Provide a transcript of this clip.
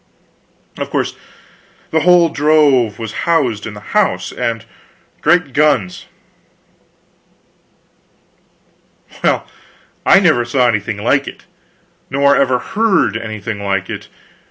Of course, the whole drove was housed in the house, and, great guns! well, I never saw anything like it. Nor ever heard anything like it.